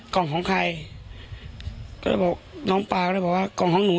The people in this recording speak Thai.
ของใครก็เลยบอกน้องเปล่าเลยบอกว่ากล่องของหนู